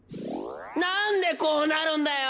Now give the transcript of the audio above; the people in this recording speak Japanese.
なんでこうなるんだよ！